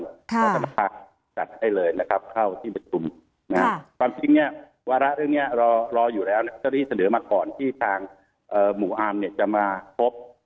เพราะสภาจัดให้เลยนะครับเข้าที่ประชุมความจริงเนี่ยวาระเรื่องนี้รออยู่แล้วเจ้าที่เสนอมาก่อนที่ทางหมู่อาร์มเนี่ยจะมาพบ